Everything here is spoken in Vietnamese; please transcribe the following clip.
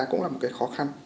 cũng là một cái khó khăn